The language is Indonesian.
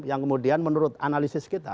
yang kemudian menurut analisis kita